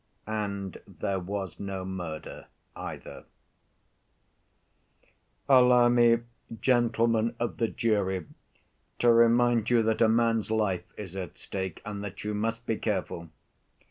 And There Was No Murder Either "Allow me, gentlemen of the jury, to remind you that a man's life is at stake and that you must be careful.